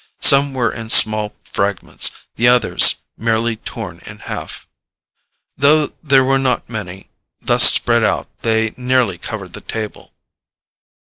Some were in small fragments, the others merely torn in half. Though there were not many, thus spread out they nearly covered the table.